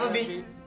bi bangun bi